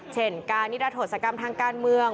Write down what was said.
เช่นการนิรัทธศกรรมทางการเมือง